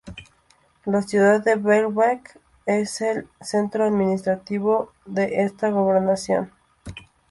La ciudad de Baalbek es el centro administrativo de esta gobernación.